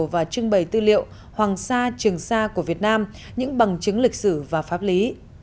và trưng bày tư liệu hoàng sa trường sa của việt nam những bằng chứng lịch sử và pháp lý